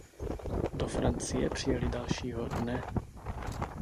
Do Francie přijeli dalšího dne.